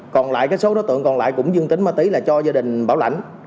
còn lại cái số đối tượng còn lại cũng dương tính ma túy là cho gia đình bảo lãnh